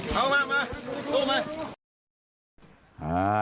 เท้าล่างมาสู้มา